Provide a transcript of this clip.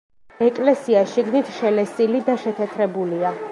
ეკლესია შიგნით შელესილი და შეთეთრებულია.